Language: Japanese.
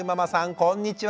こんにちは。